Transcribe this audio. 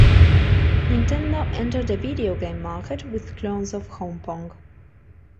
Nintendo entered the video game market with clones of "Home Pong".